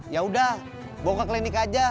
yaudah bawa ke klinik aja